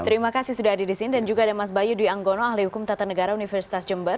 terima kasih sudah hadir di sini dan juga ada mas bayu dwi anggono ahli hukum tata negara universitas jember